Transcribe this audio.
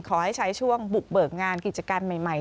ขอให้ใช้ช่วงบุกเบิกงานกิจการใหม่